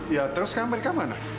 jadi mereka berganap di mana